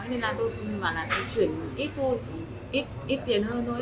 nên là tôi bảo là tôi chuyển ít thôi ít tiền hơn thôi